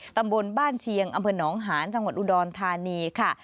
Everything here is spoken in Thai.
ตำบลบ้านเชียงอำเภอหนองหานจังหวัดอุดรธานีค่ะ